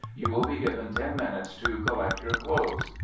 You will be given ten minutes to collect your clothes.